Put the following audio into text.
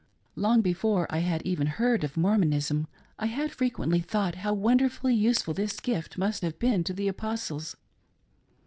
Long before I had even heard of Mormonism, I had frequently thought how wonderfully useful this gift must have been to the. Apostles.